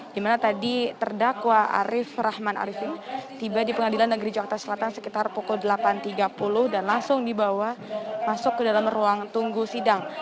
dimana tadi terdakwa arief rahman arifin tiba di pengadilan negeri jakarta selatan sekitar pukul delapan tiga puluh dan langsung dibawa masuk ke dalam ruang tunggu sidang